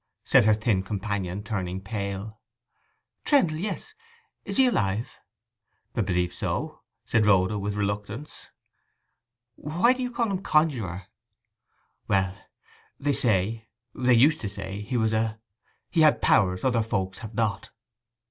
said her thin companion, turning pale. 'Trendle—yes. Is he alive?' 'I believe so,' said Rhoda, with reluctance. 'Why do you call him conjuror?' 'Well—they say—they used to say he was a—he had powers other folks have not.